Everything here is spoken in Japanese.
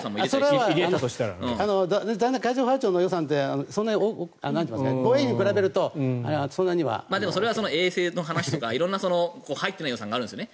海上保安庁の予算って防衛費に比べるとそれは衛星の話とか色んな入っていない予算があるんですね。